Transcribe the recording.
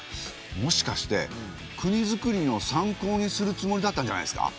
もしかして国づくりの参考にするつもりだったんじゃないですか？